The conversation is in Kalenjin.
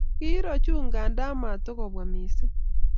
Kiiro chu nganda matukobwa missing